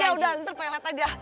oh yaudah ntar pilot aja